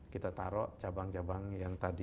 kita taruh cabang cabang yang tadi